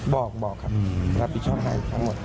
บอกคำรับผิดชอบให้ทั้งหมด